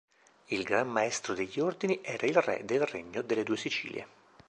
Il Gran Maestro degli Ordini era il re del Regno delle Due Sicilie.